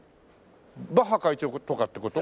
バッハ会長とかって事？